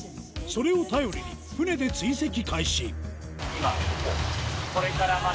それを頼りに船で追跡開始